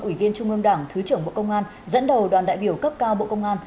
ủy viên trung ương đảng thứ trưởng bộ công an dẫn đầu đoàn đại biểu cấp cao bộ công an